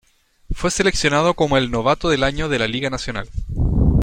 Fue seleccionado como el Novato del Año de la Liga Nacional.